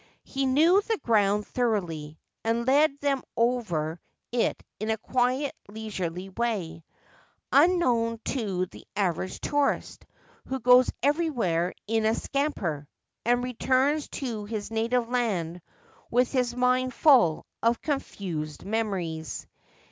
He knew the ground thoroughly, and led them over it in a quiet leisurely way, unknown to the average tourist, who goes everywhere in a scamper, and returns to his native land with his mind full of confused memories.